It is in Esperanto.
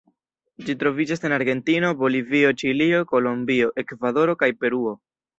Ĝi troviĝas en Argentino, Bolivio, Ĉilio, Kolombio, Ekvadoro, kaj Peruo.